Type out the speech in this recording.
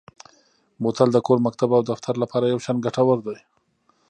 بوتل د کور، مکتب او دفتر لپاره یو شان ګټور دی.